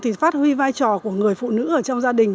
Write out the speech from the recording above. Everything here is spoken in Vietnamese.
thì phát huy vai trò của người phụ nữ ở trong gia đình